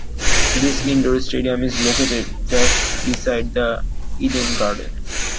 This indoor stadium is located just beside the Eden Gardens.